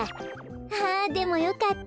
あでもよかった。